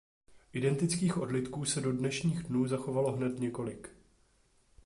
Identických odlitků se do dnešních dnů zachovalo hned několik.